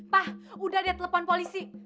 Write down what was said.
pak udah dia telepon polisi